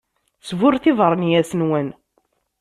Sburret ibeṛnyas-nwen.